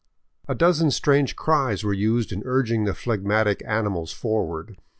A dozen strange cries were used in urging the phlegmatic animals forward.